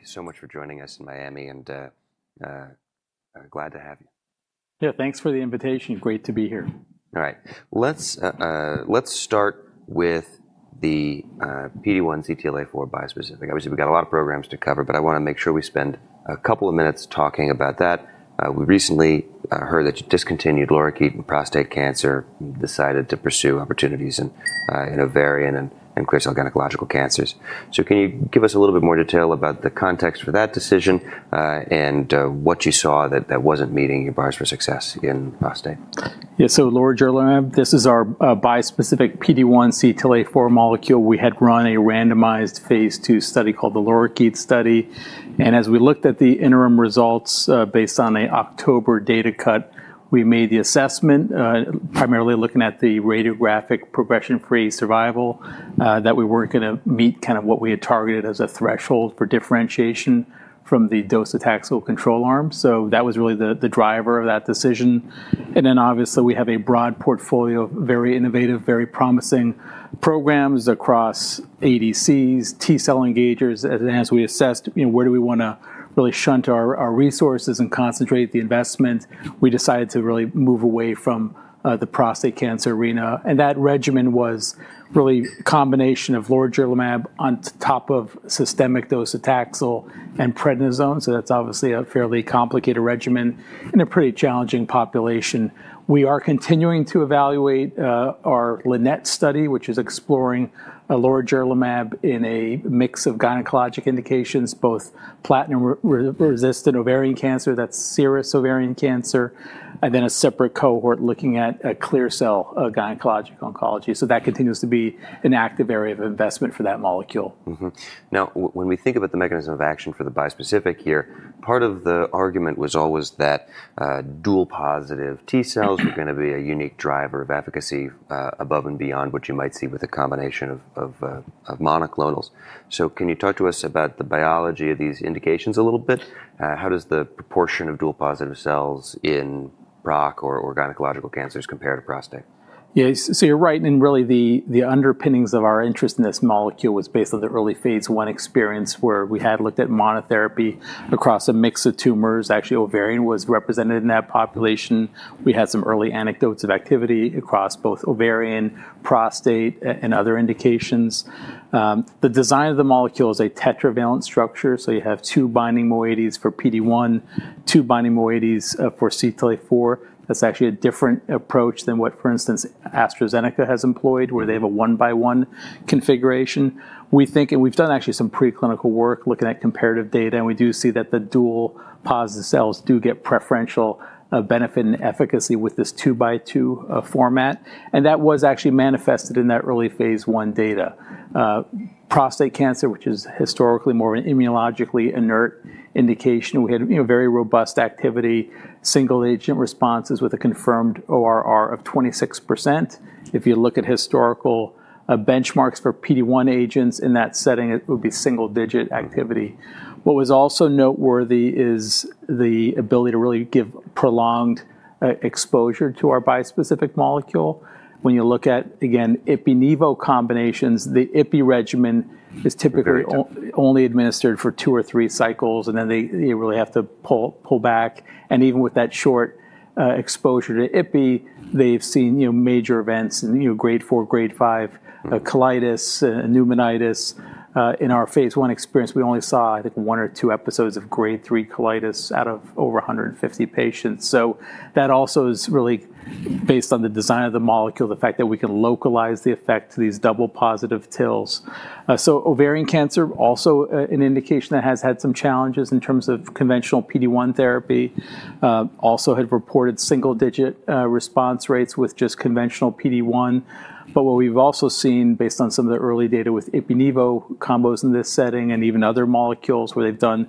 Thank you so much for joining us in Miami, and glad to have you. Yeah, thanks for the invitation. Great to be here. All right, let's start with the PD-1 CTLA4 bispecific. Obviously, we've got a lot of programs to cover, but I want to make sure we spend a couple of minutes talking about that. We recently heard that you discontinued lorigerlimab in prostate cancer and decided to pursue opportunities in ovarian and clear cell gynecological cancers. So can you give us a little bit more detail about the context for that decision, and what you saw that wasn't meeting your barriers for success in prostate? Yeah, so Lorigerlimab, this is our bispecific PD-1 CTLA4 molecule. We had run a randomized phase two study called the LORIKEET study, and as we looked at the interim results, based on an October data cut, we made the assessment, primarily looking at the radiographic progression-free survival, that we weren't going to meet kind of what we had targeted as a threshold for differentiation from the dose of Taxol control arm. So that was really the driver of that decision. And then obviously we have a broad portfolio of very innovative, very promising programs across ADCs, T-cell engagers, and as we assessed, you know, where do we want to really shunt our resources and concentrate the investment, we decided to really move away from the prostate cancer arena. And that regimen was really a combination of Lorigerlimab on top of systemic dose of Taxol and prednisone. So that's obviously a fairly complicated regimen in a pretty challenging population. We are continuing to evaluate our LINET study, which is exploring lorigerlimab in a mix of gynecologic indications, both platinum-resistant ovarian cancer, that's serous ovarian cancer, and then a separate cohort looking at a clear cell gynecologic oncology. So that continues to be an active area of investment for that molecule. Mm-hmm. Now, when we think about the mechanism of action for the bispecific here, part of the argument was always that, dual-positive T-cells were going to be a unique driver of efficacy, above and beyond what you might see with a combination of monoclonals. So can you talk to us about the biology of these indications a little bit? How does the proportion of dual-positive cells in PROC or gynecological cancers compare to prostate? Yeah, so you're right, and really the underpinnings of our interest in this molecule was based on the early phase 1 experience where we had looked at monotherapy across a mix of tumors. Actually, ovarian was represented in that population. We had some early anecdotes of activity across both ovarian, prostate, and other indications. The design of the molecule is a tetravalent structure. So you have two binding moieties for PD-1, two binding moieties for CTLA4. That's actually a different approach than what, for instance, AstraZeneca has employed, where they have a one-by-one configuration. We think, and we've done actually some preclinical work looking at comparative data, and we do see that the dual-positive cells do get preferential benefit and efficacy with this two-by-two format. And that was actually manifested in that early phase 1 data. Prostate cancer, which is historically more of an immunologically inert indication, we had, you know, very robust activity, single-agent responses with a confirmed ORR of 26%. If you look at historical benchmarks for PD-1 agents in that setting, it would be single-digit activity. What was also noteworthy is the ability to really give prolonged exposure to our bispecific molecule. When you look at, again, IpiNevo combinations, the Ipi regimen is typically only administered for two or three cycles, and then they really have to pull back. And even with that short exposure to Ipi, they've seen, you know, major events and, you know, grade four, grade five, colitis and pneumonitis. In our phase one experience, we only saw, I think, one or two episodes of grade three colitis out of over 150 patients. So that also is really based on the design of the molecule, the fact that we can localize the effect to these double-positive TILs. So ovarian cancer, also an indication that has had some challenges in terms of conventional PD-1 therapy, also had reported single-digit response rates with just conventional PD-1. But what we've also seen, based on some of the early data with IpiNevo combos in this setting and even other molecules where they've done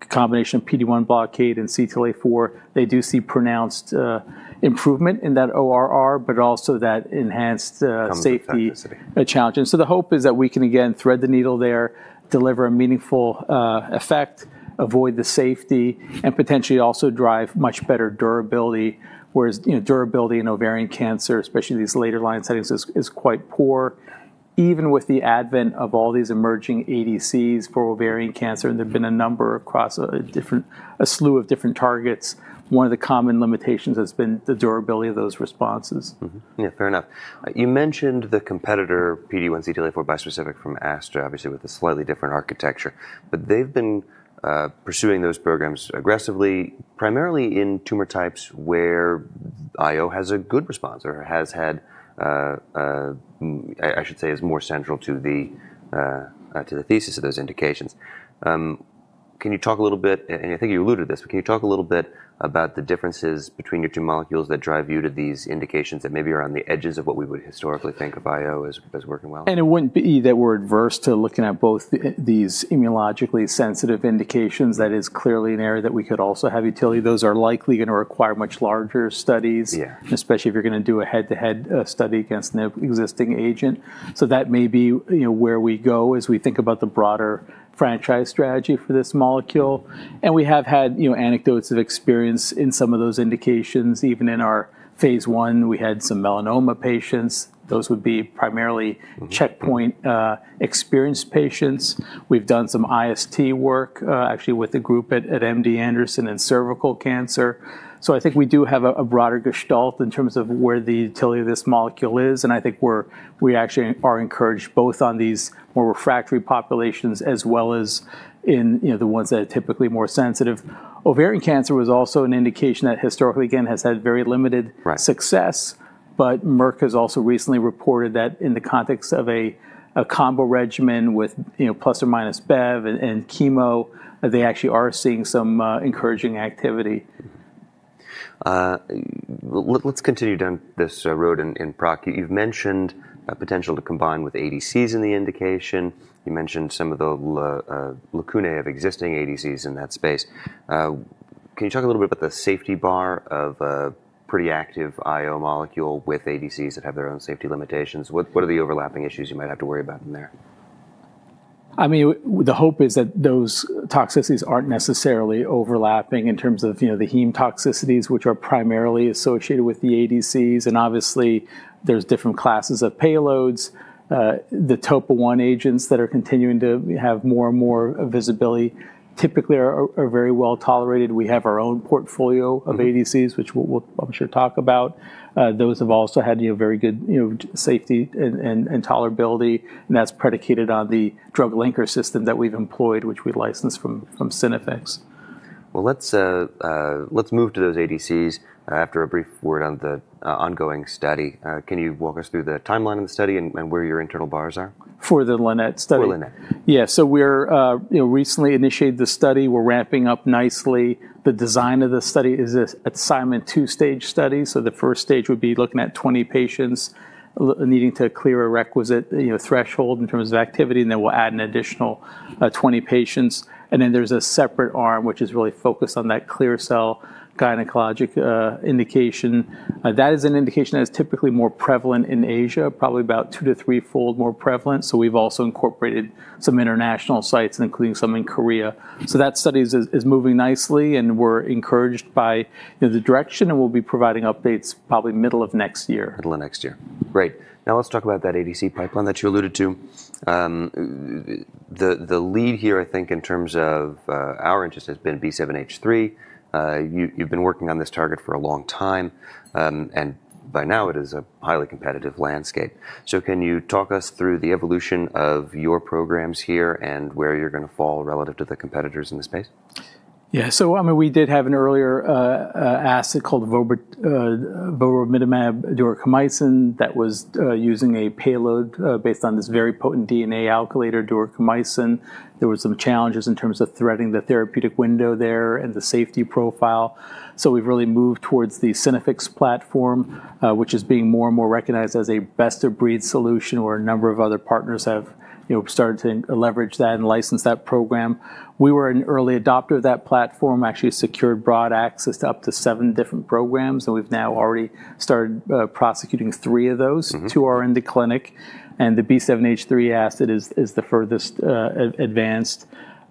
a combination of PD-1 blockade and CTLA4, they do see pronounced improvement in that ORR, but also that enhanced safety challenge. And so the hope is that we can, again, thread the needle there, deliver a meaningful effect, avoid the safety, and potentially also drive much better durability, whereas, you know, durability in ovarian cancer, especially these later line settings, is quite poor. Even with the advent of all these emerging ADCs for ovarian cancer, and there've been a number across a different, a slew of different targets, one of the common limitations has been the durability of those responses. Mm-hmm. Yeah, fair enough. You mentioned the competitor PD-1 CTLA-4 bispecific from Astra, obviously with a slightly different architecture, but they've been pursuing those programs aggressively, primarily in tumor types where IO has a good response or has had, I should say, is more central to the thesis of those indications. Can you talk a little bit, and I think you alluded to this, but can you talk a little bit about the differences between your two molecules that drive you to these indications that maybe are on the edges of what we would historically think of IO as working well? It wouldn't be that we're adverse to looking at both these immunologically sensitive indications. That is clearly an area that we could also have utility. Those are likely going to require much larger studies, especially if you're going to do a head-to-head study against an existing agent. So that may be, you know, where we go as we think about the broader franchise strategy for this molecule. We have had, you know, anecdotes of experience in some of those indications. Even in our phase one, we had some melanoma patients. Those would be primarily checkpoint-experienced patients. We've done some IST work, actually with a group at MD Anderson in cervical cancer. So I think we do have a broader gestalt in terms of where the utility of this molecule is. I think we actually are encouraged both on these more refractory populations as well as in, you know, the ones that are typically more sensitive. Ovarian cancer was also an indication that historically, again, has had very limited success, but Merck has also recently reported that in the context of a combo regimen with, you know, plus or minus Bev and chemo, they actually are seeing some encouraging activity. Let's continue down this road in PROC. You've mentioned a potential to combine with ADCs in the indication. You mentioned some of the lacunae of existing ADCs in that space. Can you talk a little bit about the safety bar of a pretty active IO molecule with ADCs that have their own safety limitations? What are the overlapping issues you might have to worry about in there? I mean, the hope is that those toxicities aren't necessarily overlapping in terms of, you know, the heme toxicities, which are primarily associated with the ADCs. And obviously there's different classes of payloads. The topoisomerase agents that are continuing to have more and more visibility typically are very well tolerated. We have our own portfolio of ADCs, which we'll I'm sure talk about. Those have also had, you know, very good, you know, safety and tolerability. And that's predicated on the drug linker system that we've employed, which we licensed from Synaffix. Let's move to those ADCs after a brief word on the ongoing study. Can you walk us through the timeline of the study and where your internal bars are? For the LINET study? For LINET. Yeah. So we're, you know, recently initiated the study. We're ramping up nicely. The design of the study is a Simon two-stage study. So the first stage would be looking at 20 patients needing to clear a requisite, you know, threshold in terms of activity. And then we'll add an additional 20 patients. And then there's a separate arm, which is really focused on that clear cell gynecologic indication. That is an indication that is typically more prevalent in Asia, probably about two to three-fold more prevalent. So we've also incorporated some international sites, including some in Korea. So that study is moving nicely, and we're encouraged by, you know, the direction, and we'll be providing updates probably middle of next year. Middle of next year. Great. Now let's talk about that ADC pipeline that you alluded to. The lead here, I think in terms of our interest, has been B7H3. You've been working on this target for a long time, and by now it is a highly competitive landscape. So can you talk us through the evolution of your programs here and where you're going to fall relative to the competitors in the space? Yeah, so, I mean, we did have an earlier asset called vobramidomab duocarmycin that was using a payload based on this very potent DNA alkylator, duocarmycin. There were some challenges in terms of threatening the therapeutic window there and the safety profile. So we've really moved towards the Synaffix platform, which is being more and more recognized as a best-of-breed solution, where a number of other partners have, you know, started to leverage that and license that program. We were an early adopter of that platform, actually secured broad access to up to seven different programs, and we've now already started prosecuting three of those to our end of clinic. The B7H3 asset is the furthest advanced.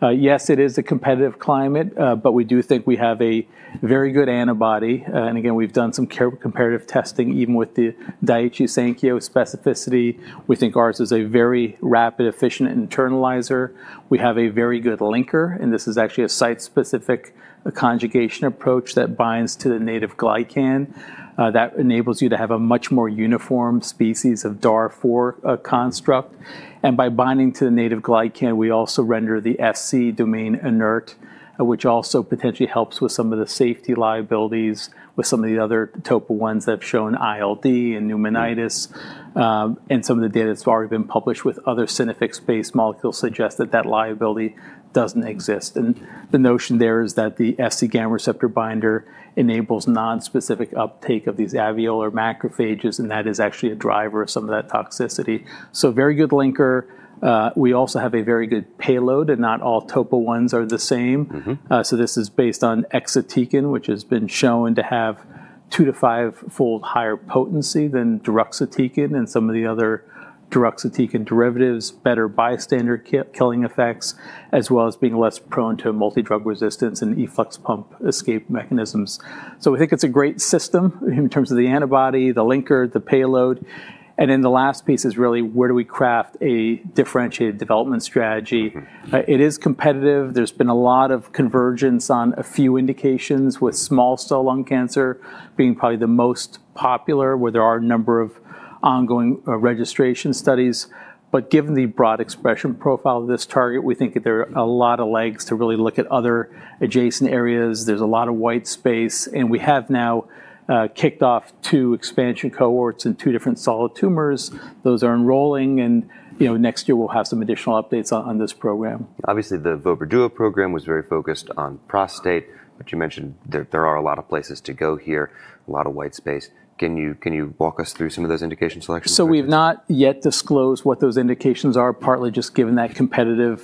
Yes, it is a competitive climate, but we do think we have a very good antibody, and again, we've done some comparative testing even with the Daiichi Sankyo specificity. We think ours is a very rapid, efficient internalizer. We have a very good linker, and this is actually a site-specific conjugation approach that binds to the native glycan that enables you to have a much more uniform species of DAR4 construct. And by binding to the native glycan, we also render the Fc domain inert, which also potentially helps with some of the safety liabilities with some of the other topo I's that have shown ILD and pneumonitis, and some of the data that's already been published with other Synaffix-based molecules suggest that that liability doesn't exist. And the notion there is that the Fc gamma receptor binder enables non-specific uptake of these alveolar macrophages, and that is actually a driver of some of that toxicity. So very good linker. We also have a very good payload, and not all topo I's are the same. So this is based on exatecan, which has been shown to have two- to fivefold higher potency than deruxtecan and some of the other deruxtecan derivatives, better bystander killing effects, as well as being less prone to multi-drug resistance and efflux pump escape mechanisms. So we think it's a great system in terms of the antibody, the linker, the payload. And then the last piece is really where do we craft a differentiated development strategy? It is competitive. There's been a lot of convergence on a few indications, with small cell lung cancer being probably the most popular, where there are a number of ongoing registration studies. But given the broad expression profile of this target, we think that there are a lot of legs to really look at other adjacent areas. There's a lot of white space, and we have now kicked off two expansion cohorts in two different solid tumors. Those are enrolling, and, you know, next year we'll have some additional updates on this program. Obviously, the vobradib program was very focused on prostate, but you mentioned there are a lot of places to go here, a lot of white space. Can you walk us through some of those indication selections? So we've not yet disclosed what those indications are, partly just given that competitive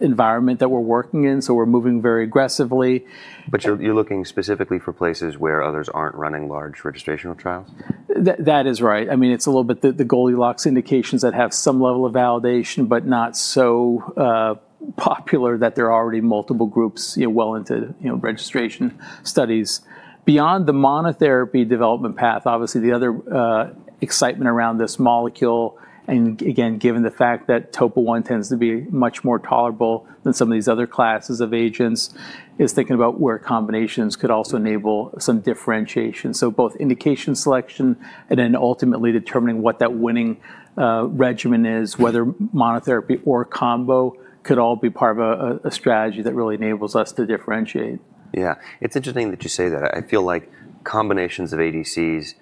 environment that we're working in. So we're moving very aggressively. But you're looking specifically for places where others aren't running large registrational trials? That is right. I mean, it's a little bit the Goldilocks indications that have some level of validation, but not so popular that there are already multiple groups, you know, well into, you know, registration studies. Beyond the monotherapy development path, obviously the other excitement around this molecule, and again, given the fact that top one tends to be much more tolerable than some of these other classes of agents, is thinking about where combinations could also enable some differentiation. So both indication selection and then ultimately determining what that winning regimen is, whether monotherapy or combo could all be part of a strategy that really enables us to differentiate. Yeah. It's interesting that you say that. I feel like combinations of ADCs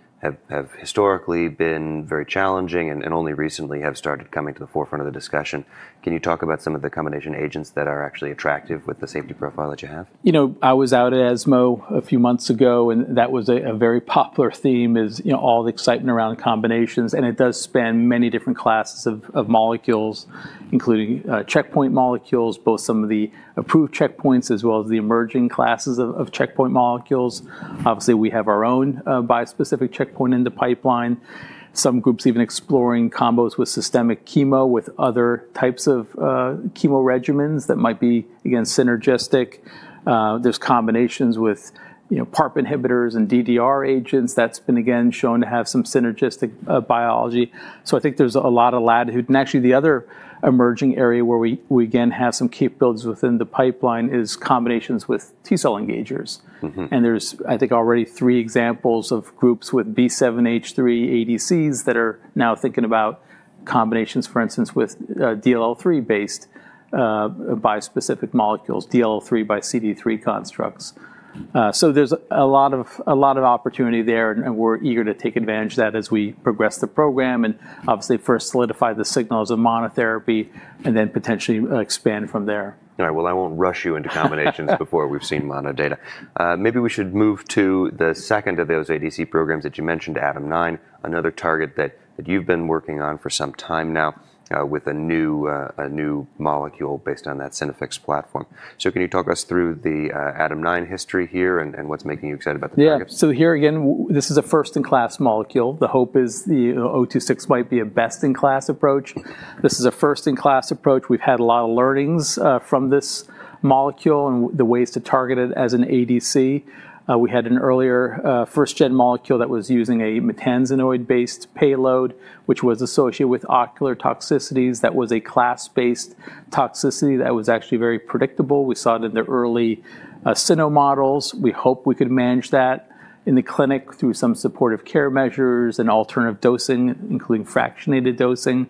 have historically been very challenging and only recently have started coming to the forefront of the discussion. Can you talk about some of the combination agents that are actually attractive with the safety profile that you have? You know, I was out at ESMO a few months ago, and that was a very popular theme, you know, all the excitement around combinations, and it does span many different classes of molecules, including checkpoint molecules, both some of the approved checkpoints as well as the emerging classes of checkpoint molecules. Obviously, we have our own bispecific checkpoint in the pipeline. Some groups even exploring combos with systemic chemo with other types of chemo regimens that might be again synergistic. There's combinations with, you know, PARP inhibitors and DDR agents. That's been again shown to have some synergistic biology, so I think there's a lot of latitude, and actually the other emerging area where we again have some capabilities within the pipeline is combinations with T cell engagers. And there's, I think, already three examples of groups with B7H3 ADCs that are now thinking about combinations, for instance, with DLL3-based bispecific molecules, DLL3 by CD3 constructs. So there's a lot of, a lot of opportunity there, and we're eager to take advantage of that as we progress the program and obviously first solidify the signals of monotherapy and then potentially expand from there. All right. Well, I won't rush you into combinations before we've seen mono data. Maybe we should move to the second of those ADC programs that you mentioned, ADAM9, another target that you've been working on for some time now, with a new molecule based on that Synaffix platform. So can you talk us through the ADAM9 history here and what's making you excited about the targets? Yeah. So here again, this is a first-in-class molecule. The hope is the O26 might be a best-in-class approach. This is a first-in-class approach. We've had a lot of learnings from this molecule and the ways to target it as an ADC. We had an earlier, first-gen molecule that was using a maytansine-based payload, which was associated with ocular toxicities. That was a class-based toxicity that was actually very predictable. We saw it in the early cyno models. We hope we could manage that in the clinic through some supportive care measures and alternative dosing, including fractionated dosing.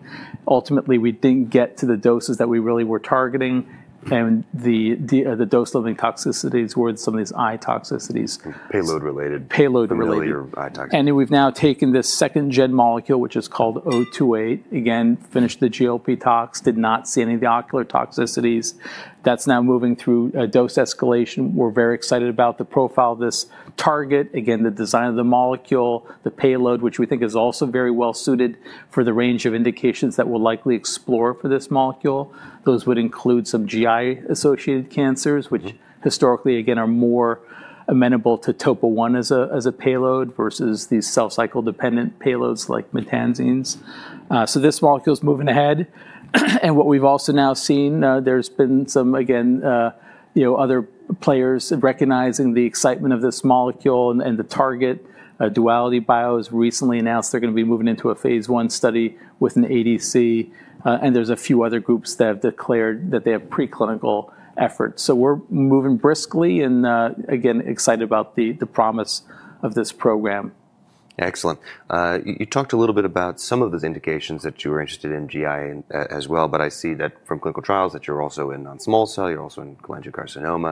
Ultimately, we didn't get to the doses that we really were targeting, and the dose-limiting toxicities were some of these eye toxicities. Payload related. Payload related. Payload related eye toxicity. And then we've now taken this second-gen molecule, which is called O28, again finished the GLP tox, did not see any of the ocular toxicities. That's now moving through a dose escalation. We're very excited about the profile of this target. Again, the design of the molecule, the payload, which we think is also very well suited for the range of indications that we'll likely explore for this molecule. Those would include some GI-associated cancers, which historically, again, are more amenable to topo-1 as a payload versus these cell-cycle-dependent payloads like maytansines. So this molecule's moving ahead. And what we've also now seen, there's been some, again, you know, other players recognizing the excitement of this molecule and the target. DualityBio has recently announced they're going to be moving into a phase one study with an ADC. And there’s a few other groups that have declared that they have preclinical efforts. So we’re moving briskly and, again, excited about the promise of this program. Excellent. You talked a little bit about some of those indications that you were interested in GI as well, but I see that from clinical trials that you're also in on small cell, you're also in colon carcinoma.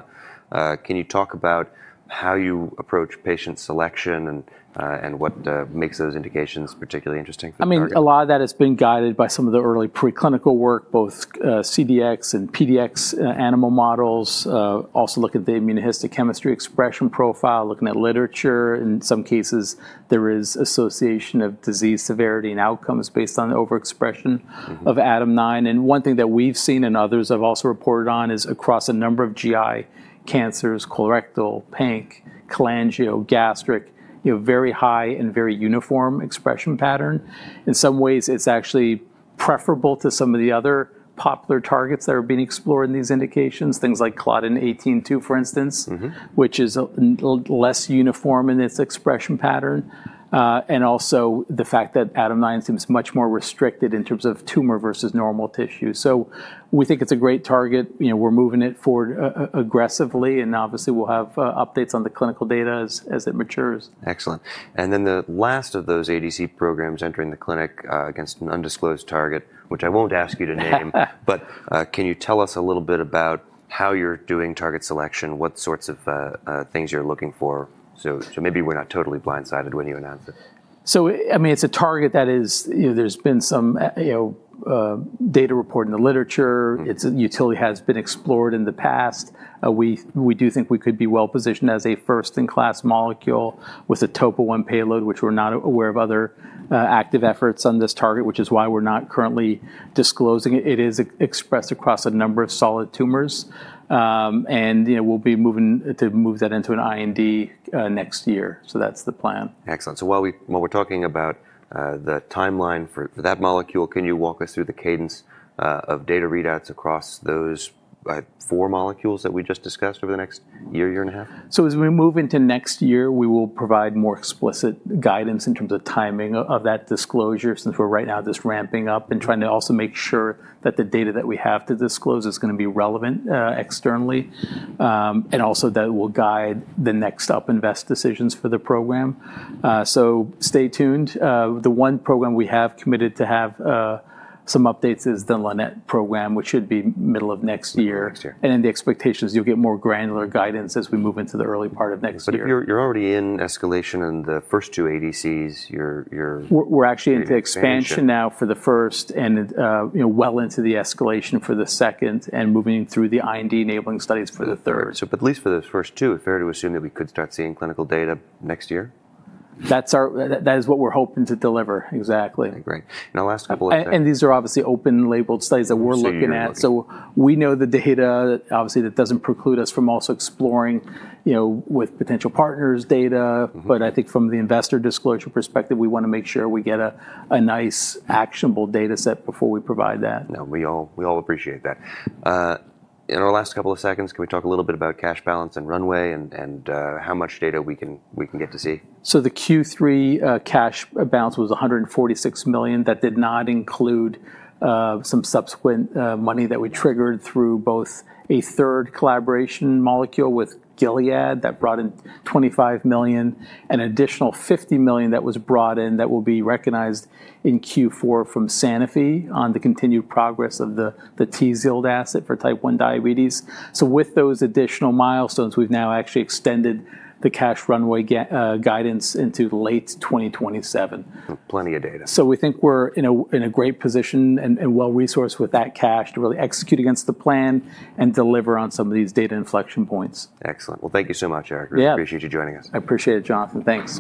Can you talk about how you approach patient selection and, and what, makes those indications particularly interesting for you? I mean, a lot of that has been guided by some of the early preclinical work, both CDX and PDX animal models. Also look at the immunohistochemistry expression profile, looking at literature. In some cases, there is association of disease severity and outcomes based on the overexpression of ADAM9. And one thing that we've seen and others have also reported on is across a number of GI cancers, colorectal, pancreatic, cholangio, gastric, you know, very high and very uniform expression pattern. In some ways, it's actually preferable to some of the other popular targets that are being explored in these indications, things like claudin 18.2, for instance, which is a little less uniform in its expression pattern, and also the fact that ADAM9 seems much more restricted in terms of tumor versus normal tissue. So we think it's a great target. You know, we're moving it forward, aggressively, and obviously we'll have updates on the clinical data as it matures. Excellent. And then the last of those ADC programs entering the clinic, against an undisclosed target, which I won't ask you to name, but can you tell us a little bit about how you're doing target selection, what sorts of things you're looking for? So maybe we're not totally blindsided when you announce it. I mean, it's a target that is, you know, there's been some, you know, data reported in the literature. Its utility has been explored in the past. We do think we could be well positioned as a first-in-class molecule with a top one payload, which we're not aware of other active efforts on this target, which is why we're not currently disclosing it. It is expressed across a number of solid tumors. You know, we'll be moving that into an IND next year. That's the plan. Excellent. So while we're talking about the timeline for that molecule, can you walk us through the cadence of data readouts across those four molecules that we just discussed over the next year and a half? So as we move into next year, we will provide more explicit guidance in terms of timing of that disclosure, since we're right now just ramping up and trying to also make sure that the data that we have to disclose is going to be relevant, externally, and also that will guide the next up and best decisions for the program. So stay tuned. The one program we have committed to have some updates is the Lynette program, which should be middle of next year. And then the expectation is you'll get more granular guidance as we move into the early part of next year. But you're already in escalation in the first two ADCs. We're actually into expansion now for the first and, you know, well into the escalation for the second and moving through the IND enabling studies for the third. At least for those first two, fair to assume that we could start seeing clinical data next year? That is what we're hoping to deliver. Exactly. Great. And I'll ask a couple of. These are obviously open-label studies that we're looking at. So we know the data. Obviously, that doesn't preclude us from also exploring, you know, with potential partners' data. But I think from the investor disclosure perspective, we want to make sure we get a nice actionable data set before we provide that. No, we all appreciate that. In our last couple of seconds, can we talk a little bit about cash balance and runway and how much data we can get to see? So the Q3 cash balance was $146 million. That did not include some subsequent money that we triggered through both a third collaboration molecule with Gilead that brought in $25 million, an additional $50 million that was brought in that will be recognized in Q4 from Sanofi on the continued progress of the TZ asset for type one diabetes. So with those additional milestones, we've now actually extended the cash runway guidance into late 2027. Plenty of data. So we think we're in a great position and well resourced with that cash to really execute against the plan and deliver on some of these data inflection points. Excellent. Well, thank you so much, Eric. We appreciate you joining us. I appreciate it, Jon. Thanks.